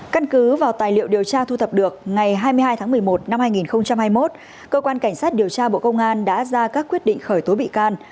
căn cứ vào tài liệu điều tra thu thập được ngày hai mươi hai tháng một mươi một năm hai nghìn hai mươi một cơ quan cảnh sát điều tra bộ công an đã ra các quyết định khởi tố bị can